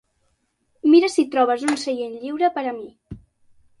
Mira si trobes un seient lliure per a mi.